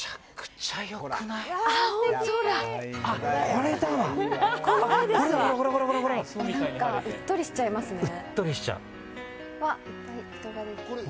これうっとりしちゃいますね。